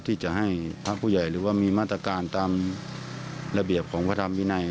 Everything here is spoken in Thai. ที่จะให้พระผู้ใหญ่หรือว่ามีมาตรการตามระเบียบของพระธรรมวินัย